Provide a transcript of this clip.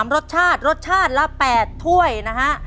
รสชาติรสชาติละ๘ถ้วยนะฮะ